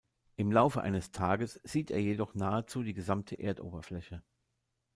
Im Laufe eines Tages sieht er jedoch nahezu die gesamte Erdoberfläche.